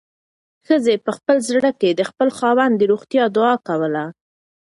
ښځې په خپل زړه کې د خپل خاوند د روغتیا دعا کوله.